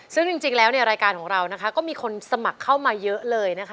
ซึ่งจริงแล้วเนี่ยรายการของเรานะคะก็มีคนสมัครเข้ามาเยอะเลยนะคะ